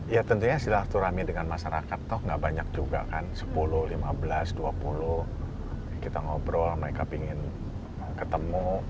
ya tentunya silaturahmi dengan masyarakat toh gak banyak juga kan sepuluh lima belas dua puluh kita ngobrol mereka ingin ketemu